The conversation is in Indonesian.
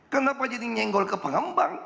kenapa jadi nyenggol ke pengembang